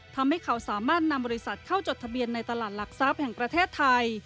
ทำให้เขาสามารถนำบริษัทเข้าจดทะเบียนในตลาดหลักทรัพย์แห่งประเทศไทย